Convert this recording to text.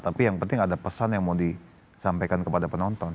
tapi yang penting ada pesan yang mau disampaikan kepada penonton